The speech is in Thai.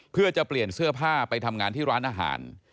เพื่อจะเปลี่ยนเสื้อผ้าไปทำงานที่ร้านอาหาร